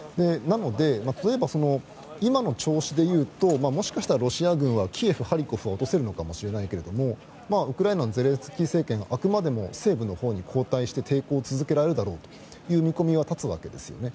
なので、例えば今の調子でいうともしかしたらロシア軍はキエフ、ハリコフは落とせるのかもしれないけれどもウクライナのゼレンスキー政権は西部のほうに後退しても抵抗を続けるだろうという見込みは立つわけです。